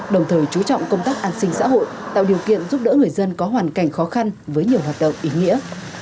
đồng thời chú trọng công tác an sinh xã hội tạo điều kiện giúp đỡ người dân có hoàn cảnh khó khăn với nhiều hoạt động ý nghĩa